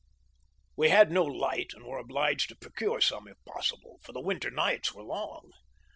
We had 110 light and were obliged to procure some if possible, for the win ter nights were long.